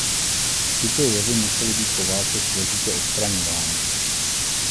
Tyto jevy musely být po válce složitě odstraňovány.